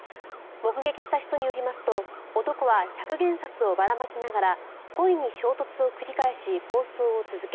目撃した人によりますと男は１００元札をばらまきながら故意に衝突を繰り返し暴走を続け